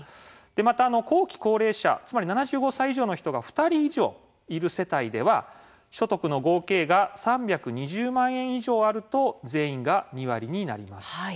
また、後期高齢者つまり７５歳以上の人が２人以上いる世帯では所得の合計が３２０万円以上あると全員が２割になります。